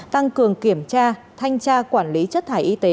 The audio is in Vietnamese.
tăng cường kiểm tra thanh tra quản lý chất thải y tế